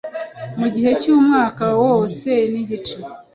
mu gihe cy’umwaka wose nigice.